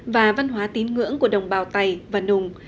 và văn hóa tín ngưỡng của đồng bào tày và nùng